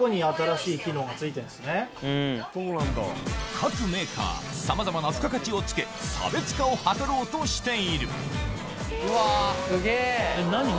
各メーカーさまざまな付加価値をつけ差別化を図ろうとしているうわすげぇ！